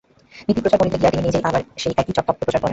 নীতি প্রচার করিতে গিয়া তিনি নিজেই আবার সেই একই তত্ত্ব প্রচার করেন।